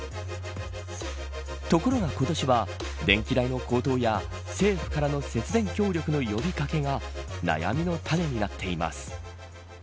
ところが、今年は電気代の高騰や政府からの節電協力の呼びかけが悩みの種になっています。